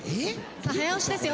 さあ早押しですよ。